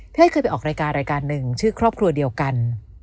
เฮ้ยเคยไปออกรายการรายการหนึ่งชื่อครอบครัวเดียวกัน